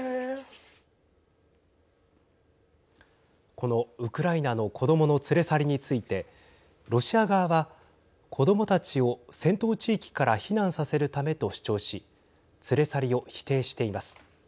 このウクライナの子どもの連れ去りについてロシア側は子どもたちを戦闘地域から避難させるためと主張し連れ去りを否定しています。